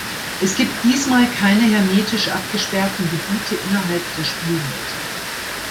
Es gibt diesmal keine hermetisch abgesperrten Gebiete innerhalb der Spielwelt.